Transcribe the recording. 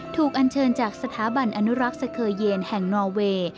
อันเชิญจากสถาบันอนุรักษ์สเคเยนแห่งนอเวย์